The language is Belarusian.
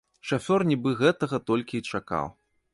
Шафёр нібы гэтага толькі і чакаў.